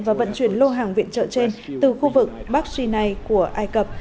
và vận chuyển lô hàng viện trợ trên từ khu vực bắc sinai của ai cập